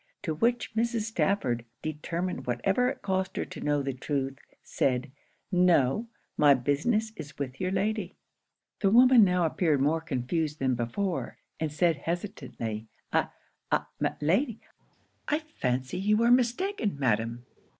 To which Mrs. Stafford, determined whatever it cost her to know the truth, said 'No my business is with your lady.' The woman now appeared more confused than before; and said, hesitatingly 'I I my lady I fancy you are mistaken, madam.'